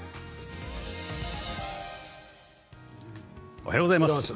おはようございます。